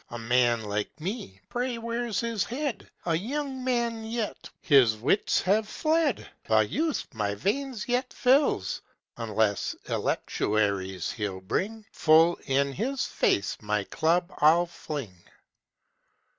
A man like me pray where's his head? A young man yet his wits have fled! While youth my veins yet fills! Unless electuaries he'll bring, Full in his face my club I'll fling!"